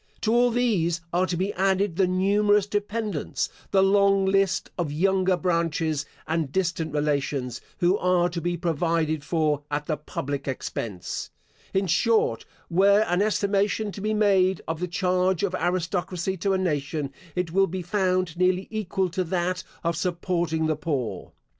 To all these are to be added the numerous dependants, the long list of younger branches and distant relations, who are to be provided for at the public expense: in short, were an estimation to be made of the charge of aristocracy to a nation, it will be found nearly equal to that of supporting the poor.